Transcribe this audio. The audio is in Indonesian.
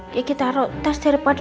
kiki taruh tas daripada